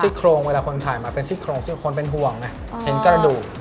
โครงเวลาคนถ่ายมาเป็นซี่โครงซึ่งคนเป็นห่วงไงเห็นกระดูก